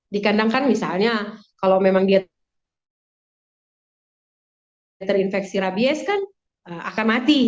dikandangkan misalnya kalau memang dia terinfeksi rabies kan akan mati